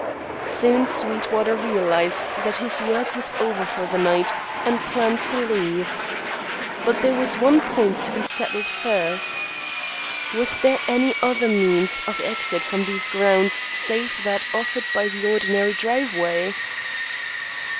Soon Sweetwater realised that his work was over for the night and planned to leave. But there was one point to be settled first. Was there any other means of exit from these grounds save that offered by the ordinary driveway?